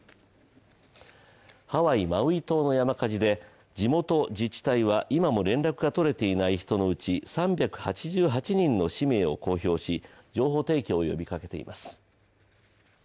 ハワイ・マウイ島の山火事で地元自治体は今も連絡がとれていない人のうち３８８人の氏名を公表し情報提供を呼びかけています。